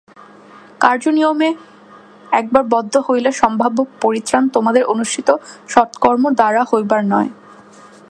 কার্য-কারণের নিয়মে একবার বদ্ধ হইলে সম্ভাব্য পরিত্রাণ তোমাদের অনুষ্ঠিত সৎকর্ম দ্বারা হইবার নয়।